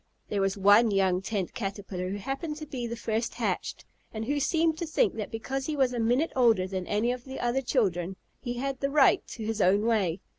There was one young Tent Caterpillar who happened to be the first hatched, and who seemed to think that because he was a minute older than any of the other children he had the right to his own way.